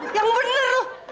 yang bener lo